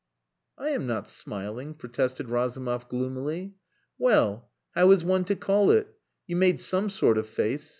"I am not smiling," protested Razumov gloomily. "Well! How is one to call it? You made some sort of face.